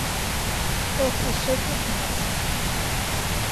ওহ, ঈশ্বরকে ধন্যবাদ!